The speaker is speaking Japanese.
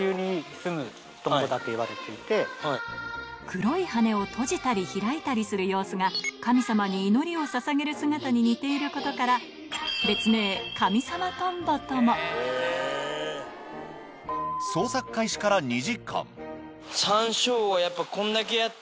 黒い羽を閉じたり開いたりする様子が神様に祈りをささげる姿に似ていることから別名そうですね。